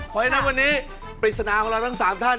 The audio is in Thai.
เพราะฉะนั้นวันนี้ปริศนาของเราทั้ง๓ท่าน